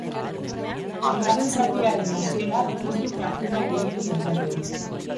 Bigarren zatiaren hasierak ez du partida gehiegi aldatu.